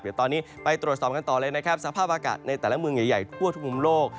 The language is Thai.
เดี๋ยวตอนนี้ไปตรวจสอบกันต่อเลยนะครับสภาพอากาศในแต่ละเมืองใหญ่ทั่วทุกมุมโลก